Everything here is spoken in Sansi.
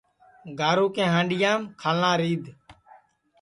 گارو کی ہانڈؔیام کھالاں رِیدھ